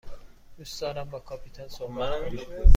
دوست دارم با کاپیتان صحبت کنم.